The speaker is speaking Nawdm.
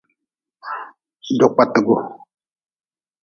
Jokpatgu.